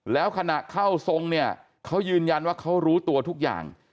แล้วขณะเข้าทรงเนี่ยเขายืนยันว่าเขารู้ตัวทุกอย่าง